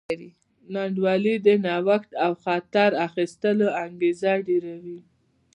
ناانډولي د نوښت او خطر اخیستلو انګېزه ډېروي.